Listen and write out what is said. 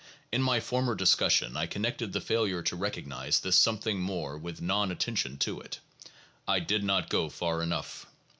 In my former discussion I connected the failure to recognize this something more with non attention to it. I did not go far enough.